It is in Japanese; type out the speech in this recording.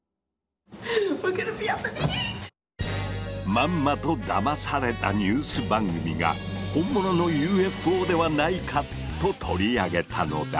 まんまとだまされたニュース番組が本物のＵＦＯではないかと取り上げたのだ。